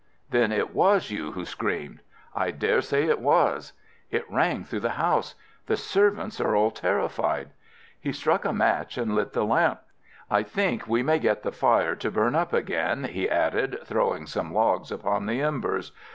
"Then it was you who screamed?" "I dare say it was." "It rang through the house. The servants are all terrified." He struck a match and lit the lamp. "I think we may get the fire to burn up again," he added, throwing some logs upon the embers.